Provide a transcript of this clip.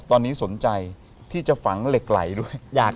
ตรงนี้๑อีก๖๗๘๙๑๐